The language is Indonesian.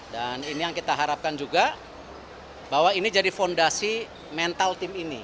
dan ini yang kita harapkan juga bahwa ini jadi fondasi mental tim ini